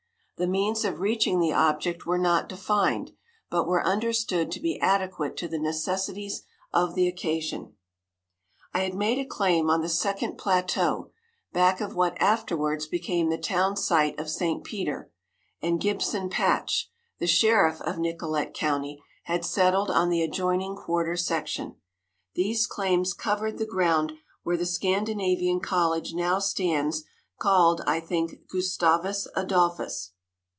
The means of reaching the object were not defined, but were understood to be adequate to the necessities of the occasion. I had made a claim on the second plateau, back of what afterwards became the town site of St. Peter, and Gibson Patch, the sheriff of Nicollet county, had settled on the adjoining quarter section. These claims covered the ground where the Scandinavian college now stands, called, I think, "Gustavus Adolphus."